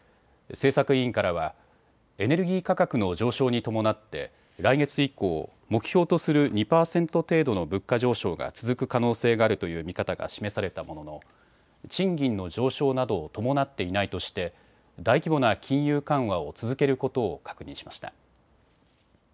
政策委員からはエネルギー価格の上昇に伴って来月以降、目標とする２％程度の物価上昇が続く可能性があるという見方が示されたものの賃金の上昇などを伴っていないとして大規模な金融緩和を続けることを確認しました。